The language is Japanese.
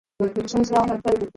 一緒にしよ♡